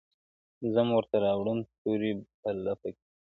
o ځم ورته را وړم ستوري په لپه كي.